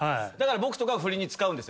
僕とか振りに使うんです。